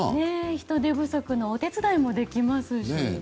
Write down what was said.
人手不足のお手伝いもできますしね。